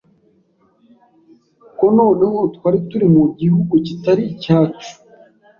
ko noneho twari turi mu gihugu kitari icyacu